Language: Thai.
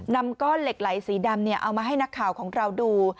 นำก้อนเหล็กไหลสีดำเอามาให้นักข่าวของเราดู